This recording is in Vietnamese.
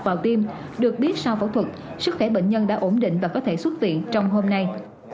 vào tim được biết sau phẫu thuật sức khỏe bệnh nhân đã ổn định và có thể xuất viện trong hôm nay